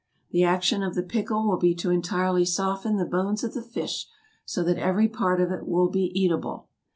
The action of the pickle will be to entirely soften the bones of the fish, so that every part of it will be eatable.